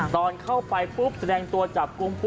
ตอนเข้าไปแสดงตัวจับกุม